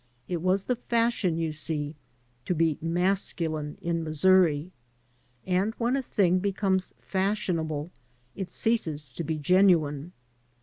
It was the fashion, you see^ to be masculine in Missouri, and when a thing becomes fashionable it ceases to be genuine.